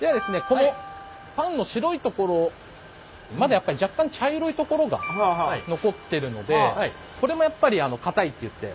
このパンの白いところまだやっぱり若干茶色いところが残ってるのでこれもやっぱり硬いっていって。